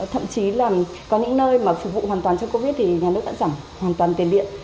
thậm chí là có những nơi mà phục vụ hoàn toàn trong covid thì nhà nước đã giảm hoàn toàn tiền điện